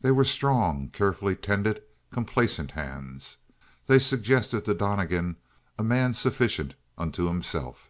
They were strong, carefully tended, complacent hands. They suggested to Donnegan a man sufficient unto himself.